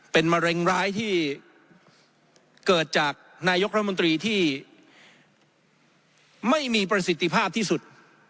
เป็นมะเร็งร้ายที่เกิดจากนายกรัฐมนตรีที่ไม่มีประสิทธิภาพที่สุด